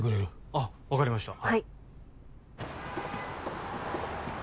あっ分かりました